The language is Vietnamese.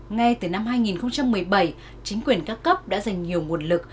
ngay từ năm hai nghìn một mươi bảy chính quyền các cấp đã dành nhiều nguồn lực